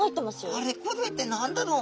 あれこれって何だろう？